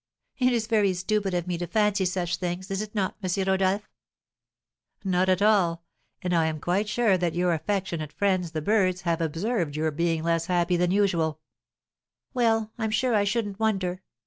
It is very stupid of me to fancy such things, is it not, M. Rodolph?" "Not at all! And I am quite sure that your affectionate friends the birds have observed your being less happy than usual." "Well, I'm sure I shouldn't wonder!